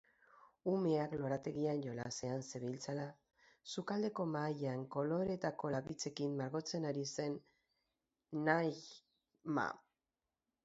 Umeak lorategian jolasean zebiltzala, sukaldeko mahaian koloreetako lapitzekin margotzen ari zen Najma.